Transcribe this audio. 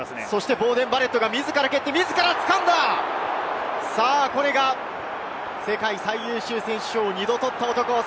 ボーデン・バレットが自ら蹴って、自らつかんだ世界最優秀選手賞を２度取った男。